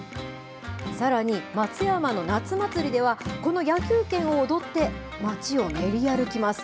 さらに、松山の夏まつりでは、この野球拳を踊って、街を練り歩きます。